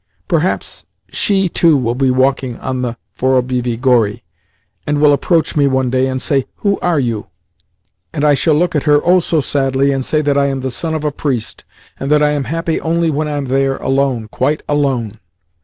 Perhaps SHE too will be walking on the Vorobievi Gori, and will approach me one day and say, 'Who are you?' and I shall look at her, oh, so sadly, and say that I am the son of a priest, and that I am happy only when I am there alone, quite alone.